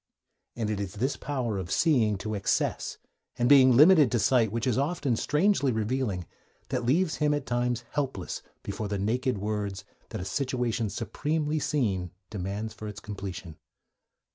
And it is this power of seeing to excess, and being limited to sight which is often strangely revealing, that leaves him at times helpless before the naked words that a situation supremely seen demands for its completion.